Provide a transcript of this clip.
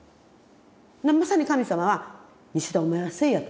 まさに神様は「西田お前がせえや」と。